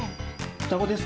双子です。